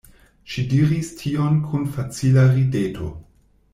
Ŝi diris tion kun facila rideto.